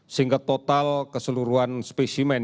sehingga total keseluruhan spesimen